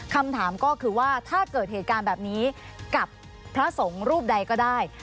คำถามก็คือว่าถ้าเกิดเหตุการณ์แบบนี้กับพระสงฆ์รูปใดก็ได้